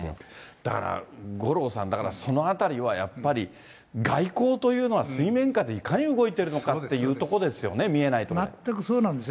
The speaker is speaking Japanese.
だから、五郎さん、だから、そのあたりはやっぱり、外交というのは水面下でいかに動いてるのかっていうところですよね、見え全くそうなんですよ。